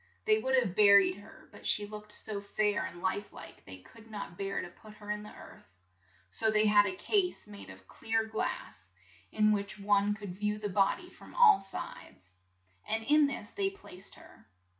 They would have bur ied her, but she looked so fair and life like they could not bear to put her in the earth. So they had a case made of clear glass, in which one could view the bod y from all sides, and in this they placed her.